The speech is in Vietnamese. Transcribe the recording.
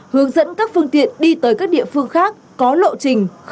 hướng dẫn các phương tiện đi tới các xã hội